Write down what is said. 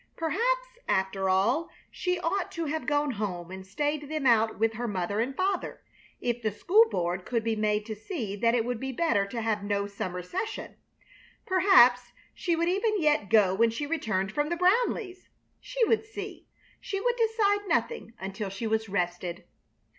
Perhaps, after all, she ought to have gone home and stayed them out with her mother and father. If the school board could be made to see that it would be better to have no summer session, perhaps she would even yet go when she returned from the Brownleighs'. She would see. She would decide nothing until she was rested.